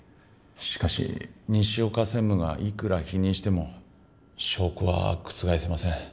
しかし西岡専務がいくら否認しても証拠は覆せません